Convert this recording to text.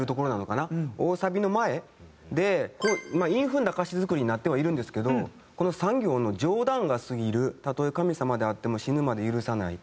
大サビの前で韻踏んだ歌詞作りになってはいるんですけどこの３行の「冗談が過ぎるたとえ神様であっても死ぬまで許さない」。